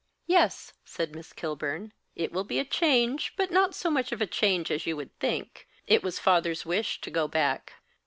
"Yes," said Miss Kilburn. "It will be a change, but not so much of a change as you would think. It was father's wish to go back."